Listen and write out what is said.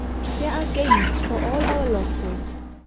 Til kue are gains for all our losses.